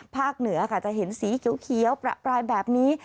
เหนือค่ะจะเห็นสีเขียวประปรายแบบนี้